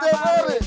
selalu mawas diri